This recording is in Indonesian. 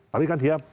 tapi kan dia